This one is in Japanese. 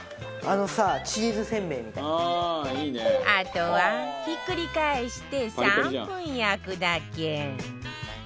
あとはひっくり返して３分焼くだけ